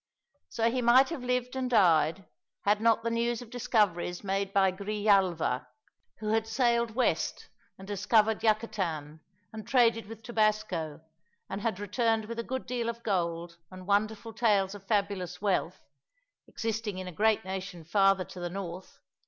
So he might have lived and died, had not the news of discoveries made by Grijalva who had sailed west and discovered Yucatan, and traded with Tabasco, and had returned with a good deal of gold and wonderful tales of fabulous wealth, existing in a great nation farther to the north caused an excitement in the islands.